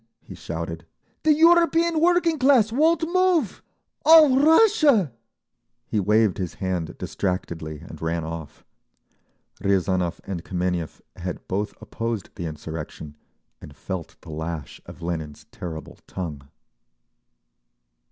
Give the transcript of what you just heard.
he shouted. "The European working class won't move! All Russia—" He waved his hand distractedly and ran off. Riazanov and Kameniev had both opposed the insurrection, and felt the lash of Lenin's terrible tongue….